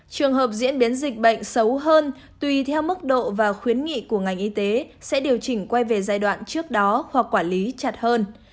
trường hợp diễn biến dịch bệnh xấu hơn tùy theo mức độ và khuyến nghị của ngành y tế sẽ điều chỉnh quay về giai đoạn trước đó hoặc quản lý chặt hơn